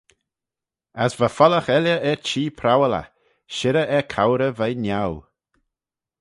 As va feallagh elley er-chee prowal eh shirrey er cowrey veih niau.